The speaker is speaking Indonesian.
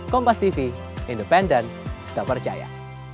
kompastv independen tak percaya